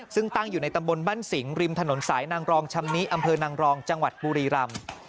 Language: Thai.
ซึ่งตั้งอยู่ในตำบลบ้านสิงห์ริมถนนสายนางรองชำนิอำเภอนางรองจังหวัดบุรีรำ